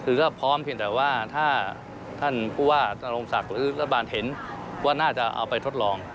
คือก็พร้อมเพียงแต่ว่าถ้าท่านผู้ว่านโรงศักดิ์หรือรัฐบาลเห็นว่าน่าจะเอาไปทดลอง